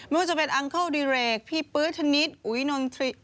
ไม่ว่าจะเป็นอังเคิลดิเรกพี่ปื๊ชนิดอุ๊ยนนทริ